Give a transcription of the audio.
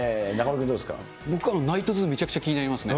僕はナイトズー、めちゃくちゃ気になりますね。